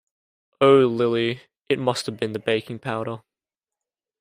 Oh, Lily, it must have been the baking powder.